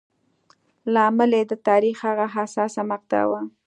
لامل یې د تاریخ هغه حساسه مقطعه وه.